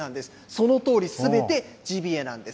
そのとおり、すべてジビエなんです。